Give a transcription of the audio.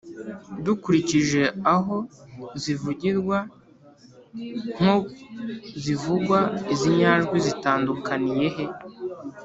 dukurikije aho zivugirwa n’ko zivugwa, izi nyajwi zitandukaniye he?